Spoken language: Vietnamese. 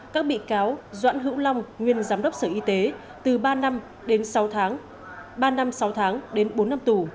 các bị cáo doãn hữu long nguyên giám đốc sở y tế từ ba năm đến sáu tháng ba năm sáu tháng đến bốn năm tù